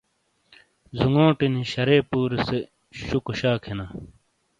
ذونگوٹے نی شَرے پُورے سے شُکو شا کھینا۔